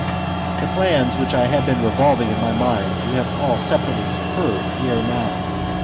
\" The plans which I have been revolving in my mind you have all separately heard ere now.